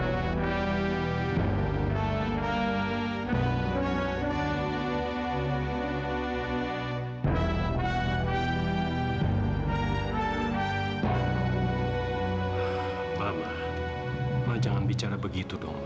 mama mama jangan bicara begitu dong ma